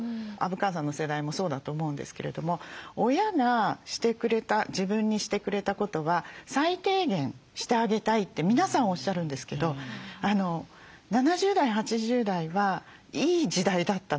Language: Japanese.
虻川さんの世代もそうだと思うんですけれども親がしてくれた自分にしてくれたことは最低限してあげたいって皆さんおっしゃるんですけど７０代８０代はいい時代だったので